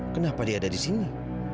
kenapa dia ada disini